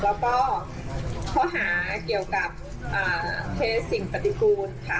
แล้วก็ข้อหาเกี่ยวกับเทสิ่งปฏิกูลค่ะ